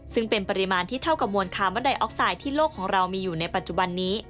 ซึ่งเป็นปริมาณที่เท่ากับมวลคาร์บอนไดออกไซด์ที่โลกของเรามีอยู่ในปัจจุบันนี้